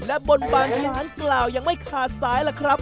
และบนบานสารกล่าวยังไม่ขาดสายล่ะครับ